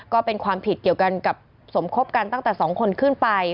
ก็เป็นความผิดเกี่ยวกันกับสมคบกันตั้งแต่๒คนขึ้นไป